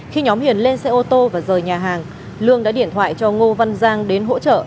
khi nhóm hiền lên xe ô tô và rời nhà hàng lương đã điện thoại cho ngô văn giang đến hỗ trợ